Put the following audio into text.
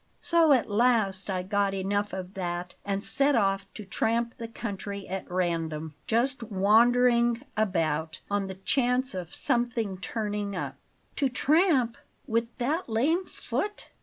So at last I got enough of that, and set off to tramp the country at random; just wandering about, on the chance of something turning up." "To tramp? With that lame foot!"